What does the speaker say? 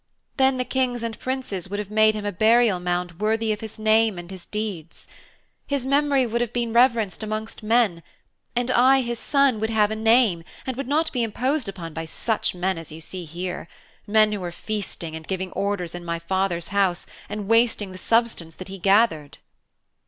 Then the Kings and Princes would have made him a burial mound worthy of his name and his deeds. His memory would have been reverenced amongst men, and I, his son, would have a name, and would not be imposed upon by such men as you see here men who are feasting and giving orders in my father's house and wasting the substance that he gathered.'